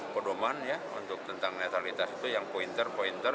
pedoman ya untuk tentang netralitas itu yang pointer pointer